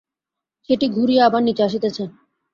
সেটি ঘুরিয়া আবার নীচে আসিতেছে।